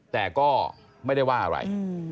แต่ก็ไม่ได้ว่าอะไร